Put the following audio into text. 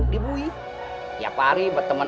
dibuih tiap hari berteman